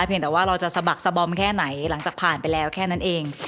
แต่ว่าเราจะสะบักสะบอมแค่ไหนหลังจากผ่านไปแล้วแค่นั้นเอง